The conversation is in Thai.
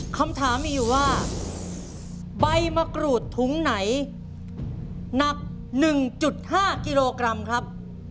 คำถามมีอยู่ว่าใบมะกรูดถุงไหนหนัก๑๕กิโลกรัมครับ